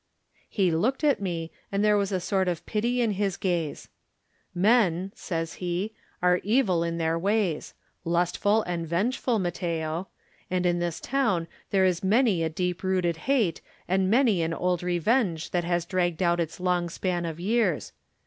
He looked at me and there was a sort of pity in his gaze. "Men, says he, "are evil in their ways. Lustful and revengeful, Matteo. And in this town there is many a deep rooted hate and many an old revenge that has dragged out its long span of years.